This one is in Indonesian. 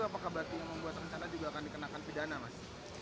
apakah mobil yang membuat tersangka juga akan dikenakan pidana mas